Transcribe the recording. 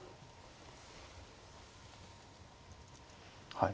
はい。